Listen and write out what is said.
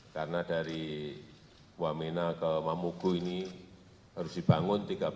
karena dari wamena ke mamuku ini harus dibangun